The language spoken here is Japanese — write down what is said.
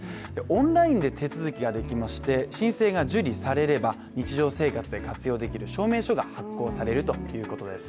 オンラインで手続きができまして申請が受理されれば、日常生活で活用できる証明書が発行されるということです。